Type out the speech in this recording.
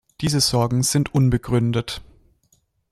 Diese Sorgen sind unbegründet.